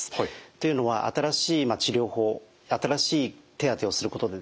というのは新しい治療法新しい手当てをすることでですね